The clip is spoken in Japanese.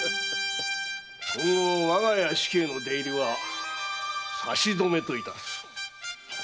今後我が屋敷への出入りは差し止めといたす。